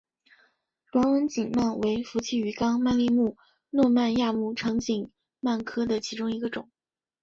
短吻颈鳗为辐鳍鱼纲鳗鲡目糯鳗亚目长颈鳗科的其中一个种。